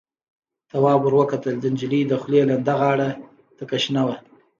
تواب ور وکتل، د نجلۍ دخولې لنده غاړه تکه شنه وه.